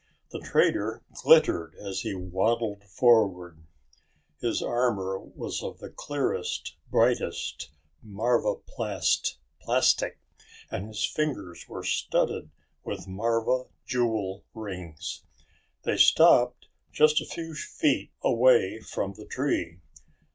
The trader glittered as he waddled forward. His armor was of the clearest, brightest marvaplast plastic, and his fingers were studded with marva jewel rings. They stopped just a few feet away from the tree.